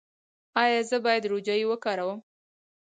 ایا زه باید روجايي وکاروم؟